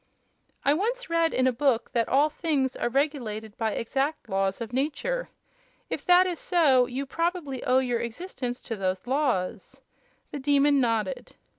"I once read in a book that all things are regulated by exact laws of nature. If that is so you probably owe your existence to those laws." The Demon nodded.